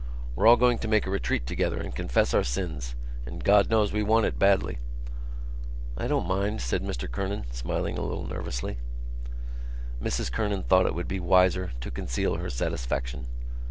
"We're all going to make a retreat together and confess our sins—and God knows we want it badly." "I don't mind," said Mr Kernan, smiling a little nervously. Mrs Kernan thought it would be wiser to conceal her satisfaction.